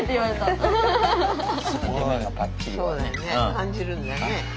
感じるんだね。